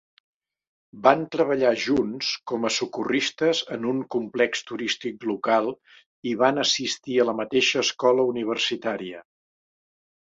Van treballar junts com a socorristes en un complex turístic local i van assistir a la mateixa escola universitària.